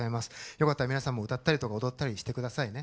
よかったら皆さんも歌ったりとか踊ったりしてくださいね。